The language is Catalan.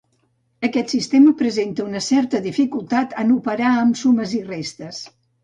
Aquest sistema presenta una certa dificultat en operar amb sumes i restes.